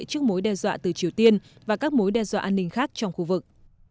trước mối đe dọa từ triều tiên và các mối đe dọa an ninh khác trong khu vực